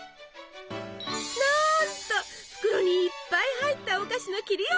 なんと袋にいっぱい入ったお菓子の切り落とし！